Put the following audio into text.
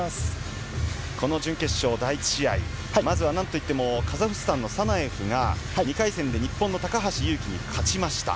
この準決勝第１試合、まずはなんといってもカザフスタンのサナエフが２回戦で日本の高橋侑希に勝ちました。